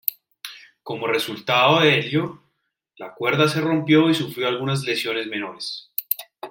Como resultado de ello, la cuerda se rompió y sufrió algunas lesiones menores.